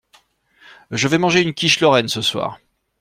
Je vais manger une quiche lorraine ce soir.